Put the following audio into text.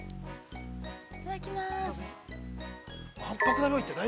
いただきます。